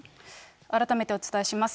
改めてお伝えします。